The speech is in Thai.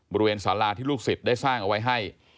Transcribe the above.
บริเวณสาราที่ลูกศิษย์ได้สร้างเอาไว้ให้